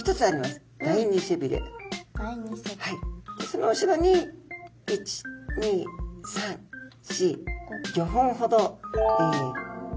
その後ろに１２３４５本ほど小離鰭はなれ